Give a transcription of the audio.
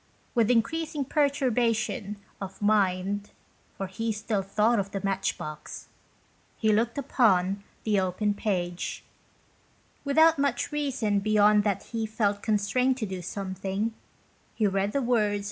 With increasing pertur bation of mind (for he still thought of the matchbox) he looked upon the open page. Without much reason beyond that he felt constrained to do something, he read the words 26 BOWE TO HIS BONE.